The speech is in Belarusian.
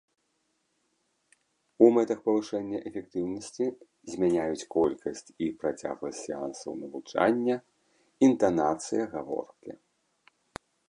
У мэтах павышэння эфектыўнасці змяняюць колькасць і працягласць сеансаў навучання, інтанацыя гаворкі.